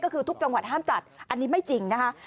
ก็คือทุกจังหวัดห้ามจัดอันนี้ไม่จริงนะคะ